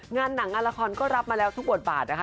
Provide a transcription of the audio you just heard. งานหนังงานละครก็รับมาแล้วทุกบทบาทนะคะ